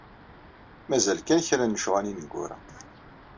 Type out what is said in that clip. Mazal kan, kra n lecɣal ineggura.